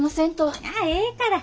ああええから。